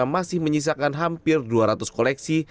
masih menyisakan hampir dua ratus koleksi